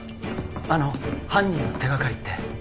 あの犯人の手がかりって？